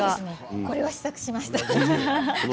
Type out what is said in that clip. これは試作しました。